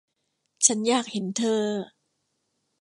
ฉันอยากเห็นเธอ